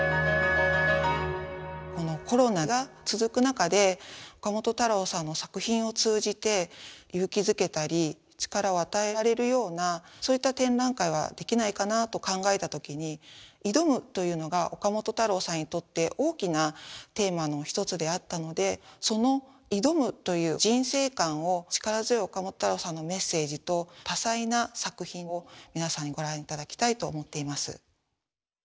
このコロナが続く中で岡本太郎さんの作品を通じて勇気づけたり力を与えられるようなそういった展覧会はできないかなと考えた時に「挑む」というのが岡本太郎さんにとって大きなテーマの一つであったのでその「挑む」という人生観を力強い岡本太郎さんのメッセージと多彩な作品を皆さんにご覧頂きたいと思っています。